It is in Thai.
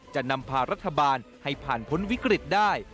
จะนำพารัฐบาลให้ผ่านพ้นวิกฤตได้